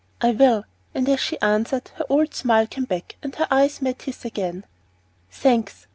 "I will." And as she answered, her old smile came back and her eyes met his again. "Thanks!